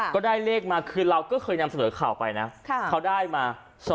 ก็ได้เลขมาคือเราก็เคยนำเสนอข่าวไปนะเขาได้มา